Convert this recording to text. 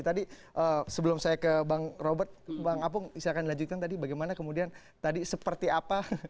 tadi sebelum saya ke bang robert bang apung silahkan dilanjutkan tadi bagaimana kemudian tadi seperti apa